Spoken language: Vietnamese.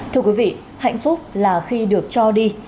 thưa quý vị hạnh phúc là khi được cho đi